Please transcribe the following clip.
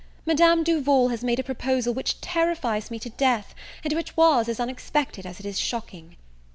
Madame Duval has made a proposal which terrifies me to death, and which was as unexpected as it is shocking.